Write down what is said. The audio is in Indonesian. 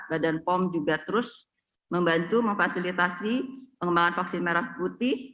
badan pom juga terus membantu memfasilitasi pengembangan vaksin merah putih